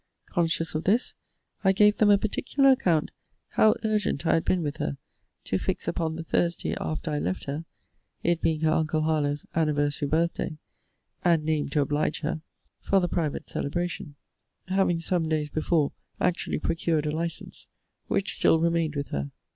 Conscious of this, I gave them a particular account how urgent I had been with her to fix upon the Thursday after I left her (it being her uncle Harlowe's anniversary birth day, and named to oblige her) for the private celebration; having some days before actually procured a license, which still remained with her.